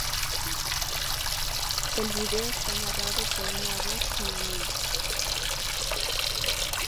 El vídeo está narrado por una voz femenina.